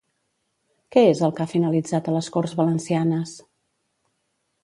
Què és el que ha finalitzat a les Corts Valencianes?